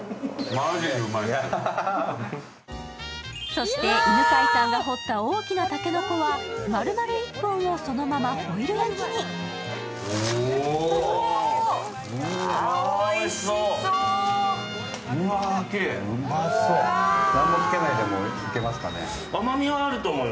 そして犬飼さんが掘った大きな竹の子は丸々一本をそのまま、ホイル焼きにうまそ、何もつけないでもいけますかね？